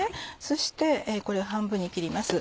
そしてこれを半分に切ります。